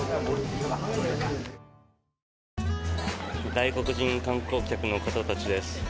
外国人観光客の方たちです